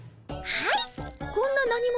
はい！